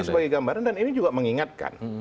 sebagai gambaran dan ini juga mengingatkan